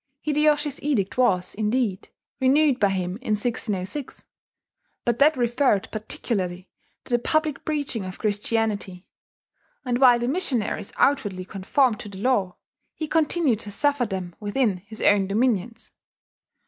Hideyoshi's edict was, indeed, renewed by him in 1606; but that referred particularly to the public preaching of Christianity; and while the missionaries outwardly conformed to the law, he continued to suffer them within his own dominions.